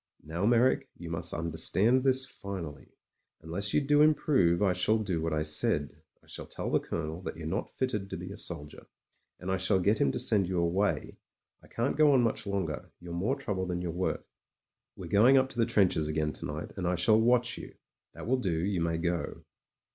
Now, Meyrick, you must understand this finally. Unless you do improve, I shall do what I said. I shall tell tht Colonel that you're not fitted to be a soldier, and I shall get him to send you away. I can't go on much longer; you're more trouble than you're worth. We're going up to the trenches again to night, and I shall watch you. That will do; you may go."